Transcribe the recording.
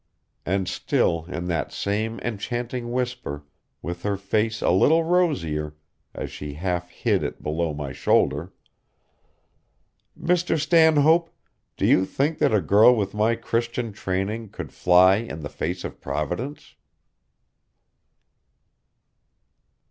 And still in that same enchanting whisper, with her face a little rosier, as she half hid it below my shoulder: "Mr. Stanhope, do you think that a girl with my Christian training could fly in the face of Providence?"